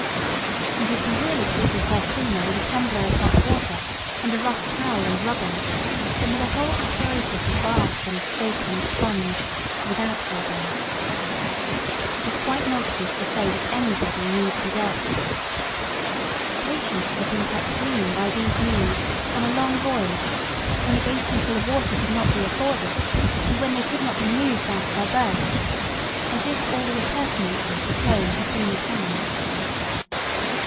And you can really keep yourself cleaner with a tumbler of hot water and a rough towel and rubbing, than with a whole apparatus of bath and soap and sponge, without rubbing. It is quite nonsense to say that anybody need be dirty. Patients have been kept as clean by these means on a long voyage, when a basin full of water could not be afforded, and when they could not be moved out of their berths, as if all the appurtenances of home had been at hand.